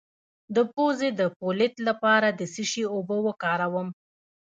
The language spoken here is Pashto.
د پوزې د پولیت لپاره د څه شي اوبه وکاروم؟